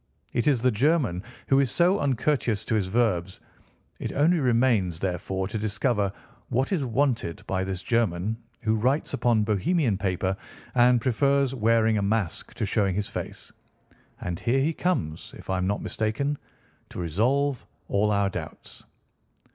It is the German who is so uncourteous to his verbs. It only remains, therefore, to discover what is wanted by this German who writes upon Bohemian paper and prefers wearing a mask to showing his face. And here he comes, if I am not mistaken, to resolve all our doubts."